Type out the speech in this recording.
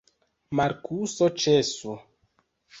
Markuso, ĉesu!